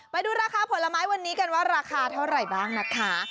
ไปดูราคาผลไม้วันนี้กันว่าราคาเท่าไหร่บ้างนะคะ